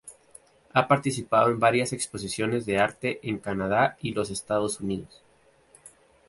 Ha participado en varias exposiciones de arte en Canadá y los Estados Unidos.